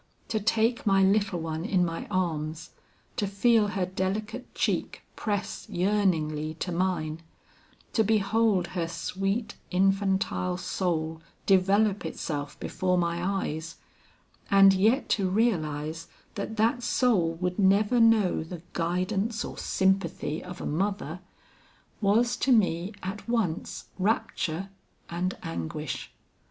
To take my little one in my arms, to feel her delicate cheek press yearningly to mine, to behold her sweet infantile soul develop itself before my eyes, and yet to realize that that soul would never know the guidance or sympathy of a mother, was to me at once rapture and anguish.